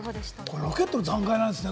ロケットの残骸なんですね。